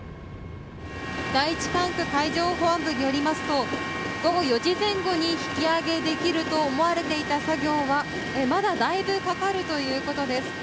第１管区海上保安部によりますと午後４時前後に引き揚げできると思われていた作業はまだだいぶかかるということです。